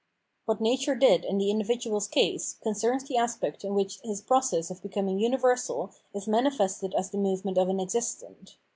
What nature did in the mdividuaTs case, concerns the aspect in which his process of becoming universal is manifested as the movement of an existent.